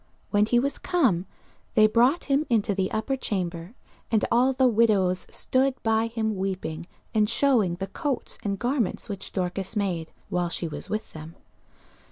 When he was come, they brought him into the upper chamber: and all the widows stood by him weeping, and shewing the coats and garments which Dorcas made, while she was with them.